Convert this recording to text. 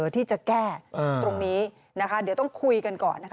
ที่จะแก้ตรงนี้นะคะเดี๋ยวต้องคุยกันก่อนนะคะ